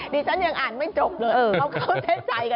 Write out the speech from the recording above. นี่ฉันยังอ่านไม่จบเลย